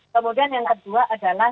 kemudian yang kedua adalah